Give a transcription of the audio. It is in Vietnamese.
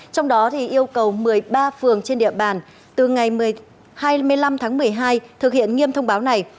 trong đó yêu cầu một mươi ba phường trên địa bàn từ ngày hai mươi năm tháng một mươi hai thực hiện nghiêm thông báo này